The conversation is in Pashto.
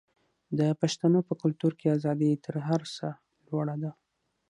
د پښتنو په کلتور کې ازادي تر هر څه لوړه ده.